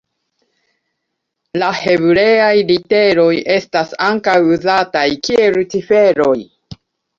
La hebreaj literoj estas ankaŭ uzataj kiel ciferoj.